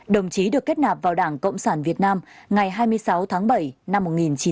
đồng chí trần đại quang sinh vào đảng cộng sản việt nam ngày hai mươi sáu tháng bảy năm một nghìn chín trăm tám mươi